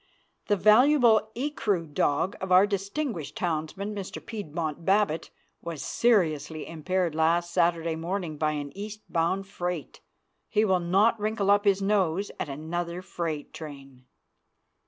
The valuable ecru dog of our distinguished townsman, Mr. Piedmont Babbit, was seriously impaired last Saturday morning by an east bound freight. He will not wrinkle up his nose at another freight train.